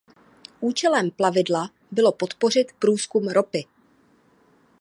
Účelem pravidla bylo podpořit průzkum ropy.